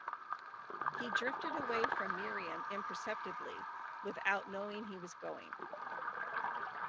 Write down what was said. He drifted away from Miriam imperceptibly, without knowing he was going.